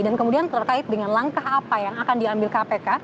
dan kemudian terkait dengan langkah apa yang akan diambil kpk